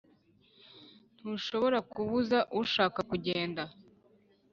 ntushobora kubuza ushaka kugend,